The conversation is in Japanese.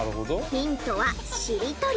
ヒントはしりとり。